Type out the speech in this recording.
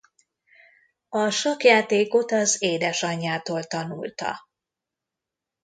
A sakkjátékot az édesanyjától tanulta.